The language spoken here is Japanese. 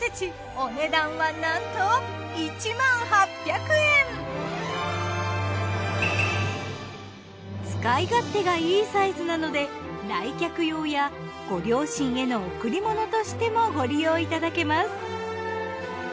お値段はなんと使い勝手がいいサイズなので来客用やご両親への贈り物としてもご利用いただけます。